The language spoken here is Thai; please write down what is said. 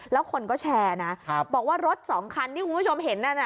แล้วคนก็แชร์นะบอกว่ารถสองคันที่คุณผู้ชมเห็นนั่นน่ะ